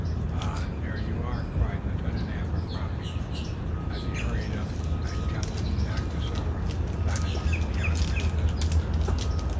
"Ah, here you are!" cried Lieutenant Abercrombie, as he hurried up and Captain Nakasura vanished beyond middle distance.